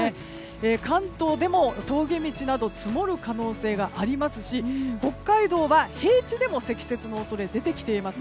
関東でも峠道など積もる可能性がありますし北海道は平地でも積雪の恐れが出てきています。